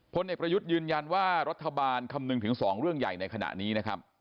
เด็กประยุทธ์ยืนยันว่ารัฐบาลคำนึงถึง๒เรื่องใหญ่ในขณะนี้นะครับ